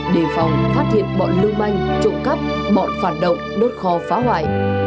đề phòng phát hiện bọn lưu manh trộm cắp bọn phản động đốt kho phá hoại